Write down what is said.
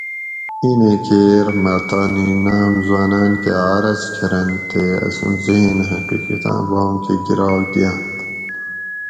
اینیں کیر مہ تانی ناۤم حٔواناۤن کہ عرض کرنت تے اسوں ذھن حقیقتاں بام کہ گِراگ دیانت